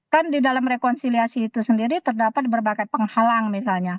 kan di dalam rekonsiliasi itu sendiri terdapat berbagai penghalang misalnya